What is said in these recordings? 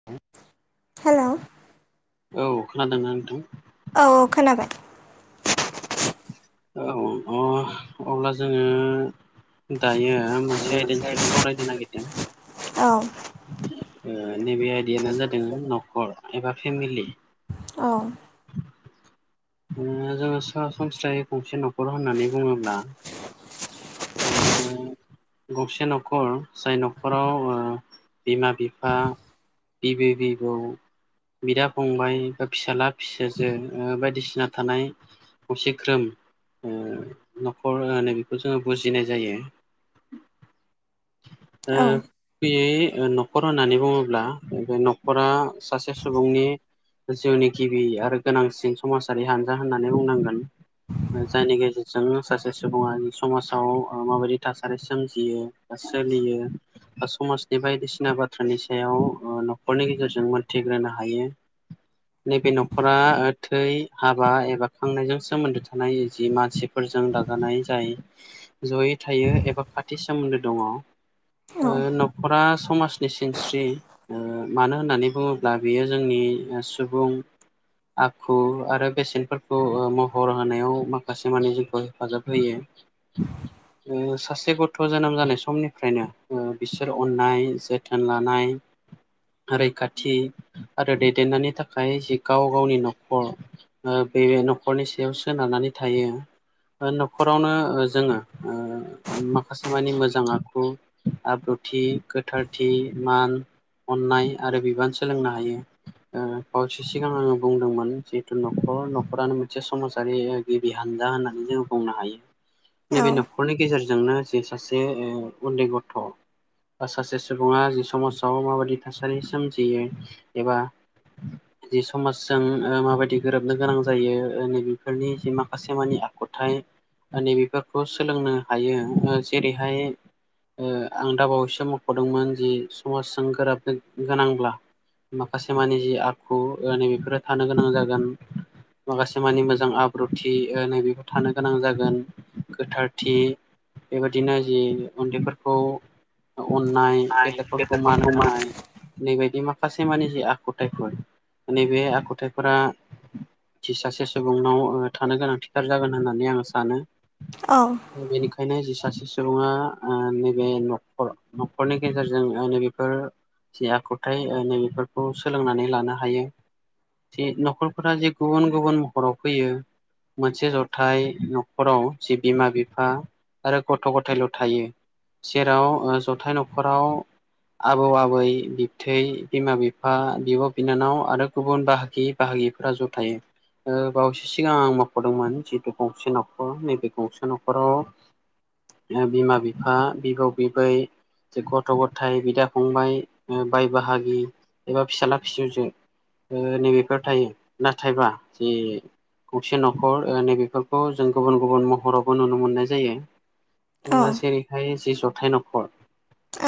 औ। हेल' औ खोनादोंना नोंथां? औ खोनाबाय। औ अब्ला जोङो दायो मो से आयदानि सायाव सावरायनो औ नागिरदों। नैबे आयदायानो जादों न'खर एबा फेमिलि। औ। ओ जोङो सरासनस्रायै गंसे न'खर होननानै बुङोब्ला [unintelligible] गंसे न'खर जाय न'खराव ओ बिमा बिफा बिबै बिबौ बिदा फंबाय बा फिसाला फिसाजो ओ बायदिसिना थानाय असिख्रोम ओ न'खर नै बेखौ जोङो बुजिनाय जायो। औ गुबैयै न'खर होननानै बुङोब्ला बे न'खरा सासे सुबुंनि जिउनि गिबि आरो गोनांसिन समाजारि हानजा होननानै बुंनांगोन। जायनि गेजेरजों सासे सुबुङा नि समाजाव माबायदि थासारि सोमजियो बा सोलियो समाजनि बायदिसिना बाथ्रानि सायाव न'खरनि गेजेरजों मोनथिग्रोनो हायो नैबे न'खरा थै हाबा एबा खांनायजों सोमोन्दो थानाय जि मानसि फोरजों दाजानाय जायो जयै थायो एबा खाथि सोमोन्दो औ ओ दङ फरा समाजनि सिनस्रि मानो होननानै बुङोब्ला बियो जोंनि सुबुं आखु आरो बेसेनफोरखौ महर होनायाव माखासे माने जोंखौ हेफाजाब होयो द सासे गथ' जोनोम जानाय समनिफ्रायनो बिसोर अननाय जोथोन लानाय रैखाथि आरो दैदेननायनि थाखाय जि गाव गावनि न'खर बे न'खरनि सायाव सोनारानानै थायो न'खरावनो जोङो माखासे मानिे मोजां आखु आब्रुथि गोथारथि मान अन्नाय आरो बिबान सोलोंनो हायो फावसेो सिगां आङो बुंदोंमोन जिहेतु न'खर न'खरानो मोनसे समाजारि गिबि हानजा होननानै जों बुंनो हायो नैबे न'खरनि गेजेरजोंनो जे सासे उन्दै गथ' बा सासे सुबुङा जि समाजाव माबाददि थासारि सोमजियो एबा [inaudible] जि समाजजों माबायदि गोरोबनो गोनां जायो नैबेफोरनि जि माखासे मानिे आखुथाय नैबेफोरखौ सोलोंनो हायो जेरैहाय आं दाबावैसो मख'दोंमोन ज समाजजों गोरोबनो गोनांब्ला माखासे मानि जि आखु नै बेफोरो थानो गोनां जागोन माखासे मानि मोजां आब्रुथि नैबेफोर थानो गोनां जागोन गोथारथि बेबायदिनो जि उन्दैफोरखौ अन्नाय गद प्र मान होनाय नैबायदि माखासे मानिे जि आखुथायाइफोर नैबे आखुथायाइफोरा सासे सुबुंनाव थानो गोनांथिथार जागोन होननानै आङो सानो औ बेनिखायनो जि सासे सुबुङा नैबे नखर न'खरनि गेजेरजों नैबेफोर जि आखुथायाइ नैबेफोरखौ सोलोंनानै लानो हायो ज न'खरफोरा जे गुबुन गुबुन महराव फैयो मोनसे जथाय न'खराव सि बिमा बिफा आरो गथ' गथायल' थायो जेराव जथाय न'खराव आबौ आबै बिबथै बिमा बिफा बिब' बिनानाव आरो गुबुन बाहागि बाहायिैफोरा ज' थायो बावैसो सिगां आं मावख'दोंमोन जिहेतु गंसे न'खर नैबे गंसे न'खराव बिमा बिफा बिबौ बिबै गथ' गथाय बिदा फंबायाइ बाय बाहागि एबा फिसाला फिसौजो नैबेफोर थायो नाथायबा जि खौसे न'खर नैबेफोरखौ जों गुबुन गुबुन हरावबो नुनो मोननाय जायो जेरैहाय जि जथाय न'खर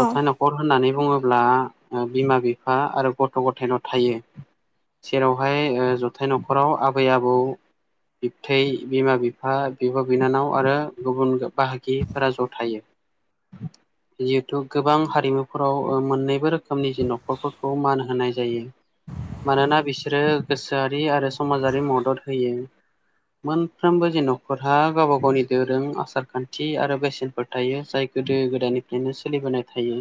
जथ न खर होननानै बुङोब्ला बिमा बिफा आरो गथ' गथायल' थायो जेरावहाय जथाय न'खराव आबै आबौ बिबथायै बिमा बिफा बिब बिनानाव आरो गुबुन बाहागिफोरा ज' थायो जिहेथु गोबां हारिमुफोराव मोननैबो रोखोमनि जिे न'खरफोरखौ मान होनाय जायो मानोना बिसोरो गोसोआरि आरो समाजारि मदद होयो मोनफ्रोमबो ज न'खर हा गावबा गावनि दोरों आसार खान्थि आरो बेसेनफोर थायो जाय गोदो गोदायनि बिदिनो सोलिबोनाय थायो।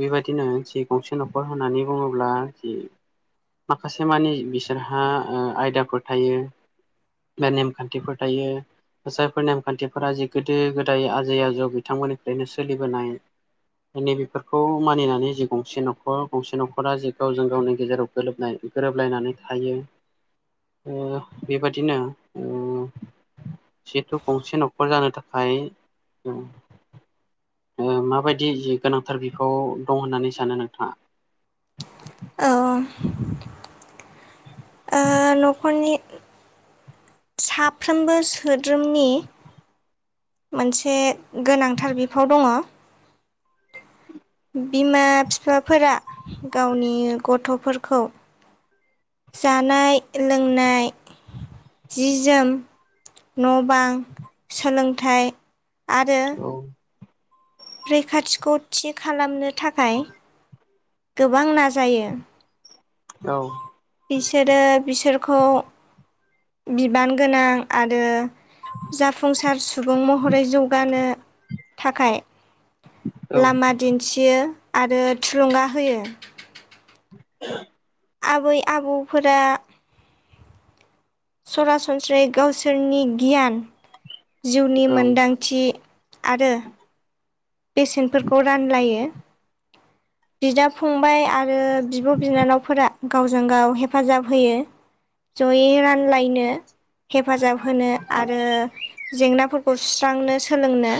बेबायदिनो जि गंसे न'खर होननानै बुङोब्ला माखासे मानि बिसोरहा ओ आयदाफोर थायो बा नेमखान्थिफोर थायो। जायफोर नेमखान्थिफोरा जि गोदो गोदाय आजै आजौ बिथांमोननिफ्रायनो सोलिबोनाय नैबेफोरखौ मानिनानै जिे गंसे न'खर गंसे न'खरा जिे गावजों गावनि गेजेराव गोरोबनाय गोरोबलायनानै थायो बेबादिनो जिहेथु गंसे न'खर जानो थाखाय जों ओ माबायदि जि गोनांथार बिफाव दं होननानै सानो नोंथाङा? औ औ ओ न'खरनि साफ्रोमबो सोद्रोमनि मोनसे गोनांथार बिफाव दङ। बिमा फिफाफोरा गावनि गथ'फोरखौ जानाय लोंनाय जि जोम न' बां सोलोंथाइ आरो औ। रैखाथिखौ थि खालामनो थाखाय गोबां नाजायो। औ। बिसोरो बिसोरखौ बिबान गोनां आरो जाफुंसार सुबुं महरै जौगानो थाखाय औ औ लामा दिन्थियो आरो थुलुंगा होयो। [inaudible] आबै आबौफोरा सरासनस्रायै गावसोरनि गियान जिउनि औ मोनदांथि आरो बेसेनफोरखौ रानलायो बिदा फंबाय आ आरो बिब' बिनानावफोरा। गावजों गाव हेफाजाब होयो जयै रानलायनो हेफाजाब होनो आरो जेंनाफोरखौ सुस्रांनो सोलोंनो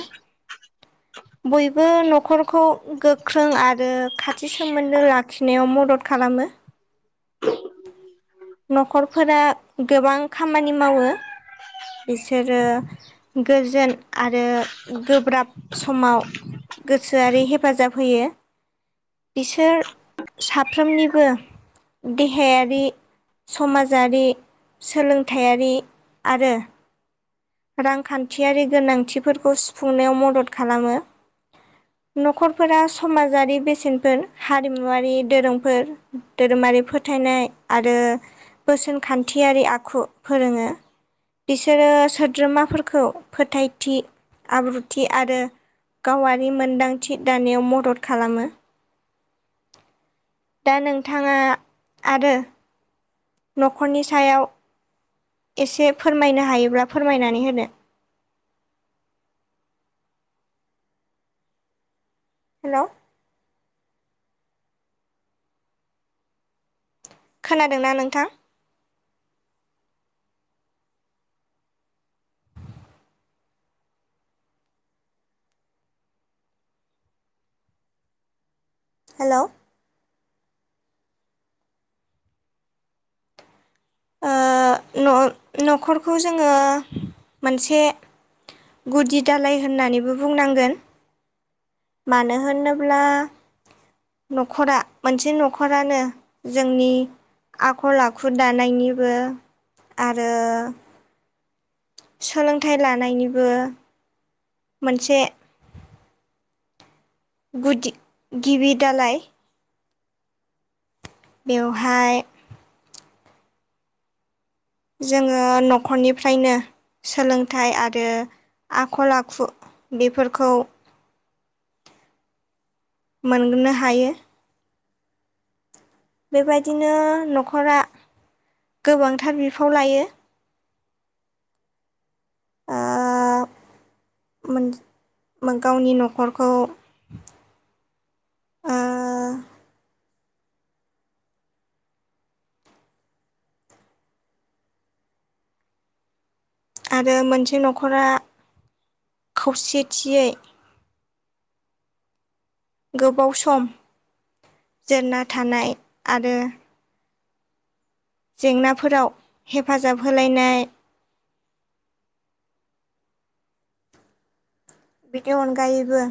बयबो न'खरखौ गो ख्रों आरो खाथि सोमोन्दो लाखिनायाव मदद खालामो। न'खरफोरा गोबां खामानि मावो। बिसोरो गोजोन आरो गोब्राब समाव गोसोआरि हेफाजाब होयो। बिसोर साफ्रोमनिबो देहायारि समाजारि सोलोंथायारि आरो रांखान्थियारि गोनांथिफोरखौ सुफुंनायाव मदद खालामो। न'खरफोरा समाजारि बेसेनफोर हारिमुवारि दोरोंफोर धोरोमारि फोथायनाय आरो बोसोन खान्थियारि आखु फोरोङो बिसोरो सोद्रोमाफोरखौ फोथायथि आब्रुथि आरो गावारि मोनदांथि दानायाव मदद खालामो। दा नोंथाङा आरो न'खरनि सायाव एसे फोरमायनो हायोब्ला फोरमायनानै होदो। हेल'। खोनादोंना नोंथां? हेल'। न-न'खरखौ जोङो मोनसे गुदि दालाय होननानैबो बुंनांगोन। मानो होनोब्ला न'खरा मोनसे न'खरानो जोंनि आखल आखु दानायनिबो आरो सोलोंथाइ लानायनिबो मोनसे गुदि गिबि दालाय बेवहाय जोङो न'खरनिफ्रायनो सोलोंथाइ आरो आखल आखु बेफोरखौ [inaudible] मोननो हायो बेबायदिनो न'खरा गोबांथार बिफाव लायो। ओ मोन गावनि न'खरखौ ओ आरो मोनसे न'खरा खौसेथियै गोबाव सम जोरना थानाय आरो जेंनाफोराव हेफाजाब होलायनाय बिनि अनगायैबो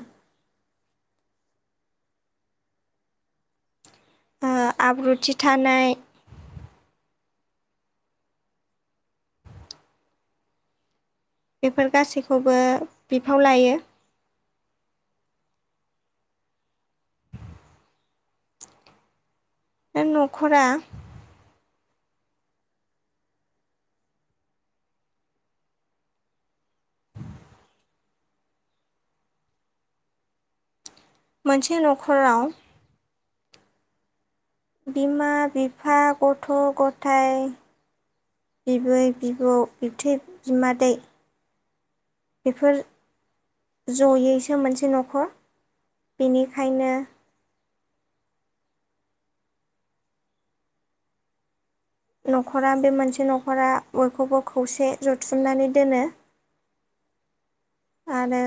ओ आब्रुथि थानाय बेफोर गासैखौबो बिफाव लायो। न'खरा मोनसे न'खराव बिमा बिफा गथ' गथाय बिबै बिबौ बिबथै बिमादै बेफोर जयैसो मोनसे न'खर बेनिखायनो न'खरा बे मोनसे न'खरा बयखौबो खौसे जथुमनानै दोनो आरो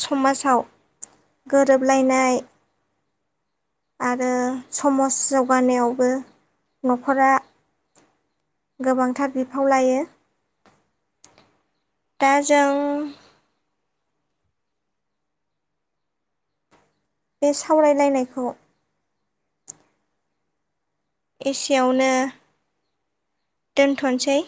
समाजाव गोरोबलायनाय आरो समाज जौगानायावबो न'खरा गोबांथार बिफाव लायो दा जों बे सावरायलायनायखौ एसेयावनो दोनथ'सै